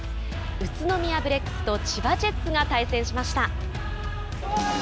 宇都宮ブレックスと千葉ジェッツが対戦しました。